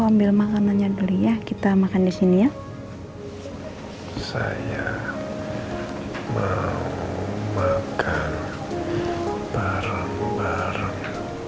ambil makanannya belia kita makan di sini ya saya mau makan bareng bareng